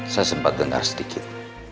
saya sempat dengar sedikit